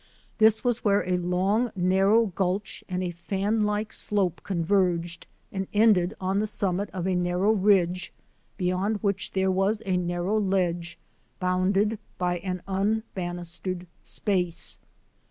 This was where a long, narrow gulch and a fan like slope converged and ended on the summit of a narrow ridge, beyond which there was a narrow ledge, bounded by unbanistered space.